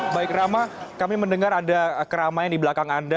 baik rama kami mendengar ada keramaian di belakang anda